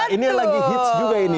ini lagi hits juga ini